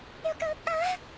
よかった。